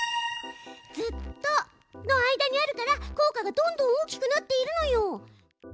「ずっと」の間にあるから効果がどんどん大きくなっているのよ！